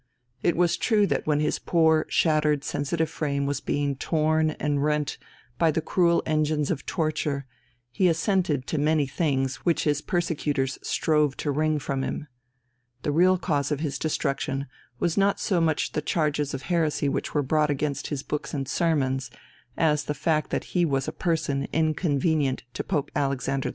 It was true that when his poor, shattered, sensitive frame was being torn and rent by the cruel engines of torture, he assented to many things which his persecutors strove to wring from him. The real cause of his destruction was not so much the charges of heresy which were brought against his books and sermons, as the fact that he was a person inconvenient to Pope Alexander VI.